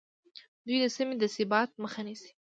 دوی د سیمې د ثبات مخه نیسي